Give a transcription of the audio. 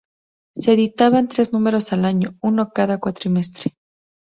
Se editaban tres números al año, uno cada cuatrimestre.